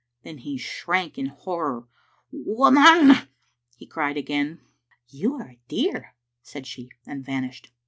Then he shrank in horror. " Woman !" he cried again. You are a dear," she said, and vanished.